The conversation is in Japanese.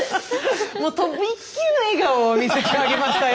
もうとびっきりの笑顔を見せてあげましたよ